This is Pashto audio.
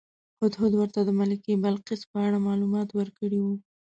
هدهد ورته د ملکې بلقیس په اړه معلومات ورکړي وو.